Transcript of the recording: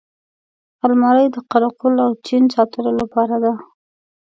الماري د قره قل او چپن ساتلو لپاره ده